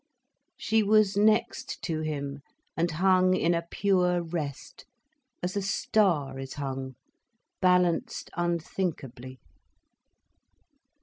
She was next to him, and hung in a pure rest, as a star is hung, balanced unthinkably.